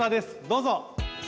どうぞ！